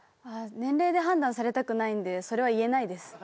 年齢で判断されたくないのでそれは言えないです。